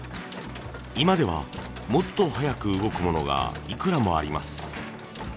今ではもっと速く動くものがいくらもあります。